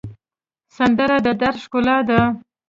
سندره د دَرد ښکلا ده